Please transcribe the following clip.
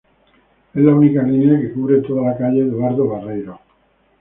Es la única línea que cubre toda la calle Eduardo Barreiros.